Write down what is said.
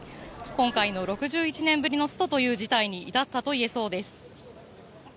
今回の６１年ぶりのストという事態に至ったといえそうです。